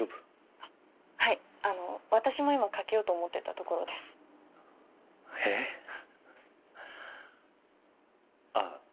☎はいあの私も今かけようと思ってたところですえっ